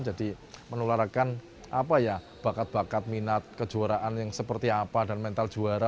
jadi menularkan bakat bakat minat kejuaraan yang seperti apa dan mental juara